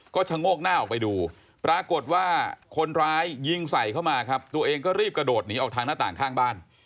ก็ชะโงกหน้าออกไปดูปรากฏว่าคนร้ายยิงใส่เข้ามาครับตัวเองก็รีบกระโดดหนีออกทางหน้าต่างข้างบ้าน